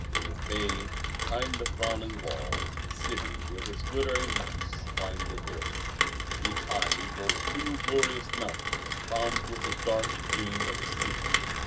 In the bay behind the frowning walls the city with its glittering mosques climbed the hill. Behind rose two glorious mountains crowned with the dark green of the cedar.